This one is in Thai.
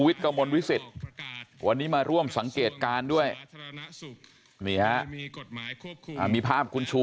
วิทย์กระบวนวิสิตวันนี้มาร่วมสังเกตการด้วยมีภาพคุณชู